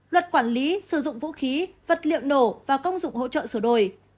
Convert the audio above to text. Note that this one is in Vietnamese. luật quản lý sử dụng vũ khí vật liệu nổ và công dụng hỗ trợ sửa đổi